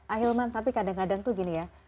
ahilman tapi kadang kadang tuh gini ya